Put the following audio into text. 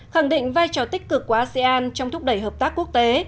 khẳng định vai trò tích cực của asean trong thúc đẩy hợp tác quốc tế